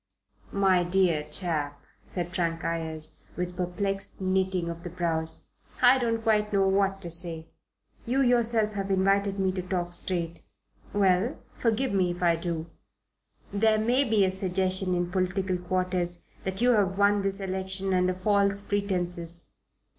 "My dear chap," said Frank Ayres, with perplexed knitting of the brows, "I don't quite know what to say. You yourself have invited me to talk straight. Well! Forgive me if I do. There may be a suggestion in political quarters that you have won this election under false pretences."